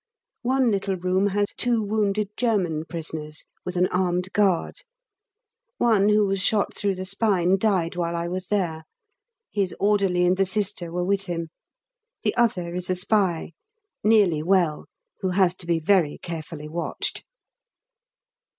One little room had two wounded German prisoners, with an armed guard. One who was shot through the spine died while I was there his orderly and the Sister were with him. The other is a spy nearly well who has to be very carefully watched.